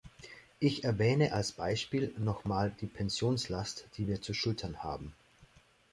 Ich erwähne als Beispiel noch mal die Pensionslast, die wir zu schultern haben.